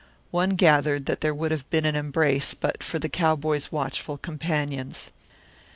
One gathered that there would have been an embrace but for the cowboy's watchful companions.